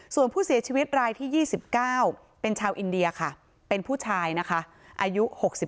ส่วนผู้เสียชีวิตรายที่๒๙เป็นชาวอินเดียค่ะเป็นผู้ชายนะคะอายุ๖๒